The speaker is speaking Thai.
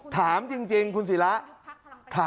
การเงินมันมีฝ่ายฮะ